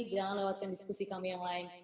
jangan lewatkan diskusi kami yang lain